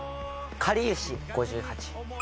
かりゆし５８。